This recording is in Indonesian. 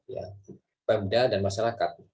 ya pemuda dan masyarakat